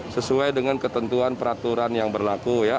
sesuai dengan ketentuan peraturan yang berlaku ya